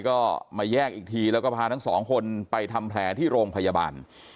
ก็มาแยกอีกทีแล้วก็พาทั้งสองคนไปทำแผลที่โรงพยาบาล